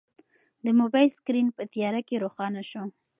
د موبایل سکرین په تیاره کې روښانه شو.